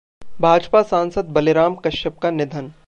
भाजपा सांसद बलिराम कश्यप का निधन